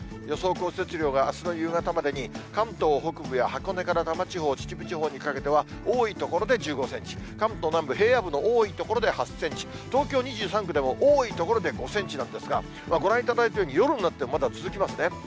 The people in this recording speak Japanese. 予想降雪量が、あすの夕方までに関東北部や箱根から多摩地方、秩父地方にかけては、多い所で１５センチ、関東南部、平野部の多い所で８センチ、東京２３区でも多い所で５センチなんですが、ご覧いただいているように夜になってもまだ続きますね。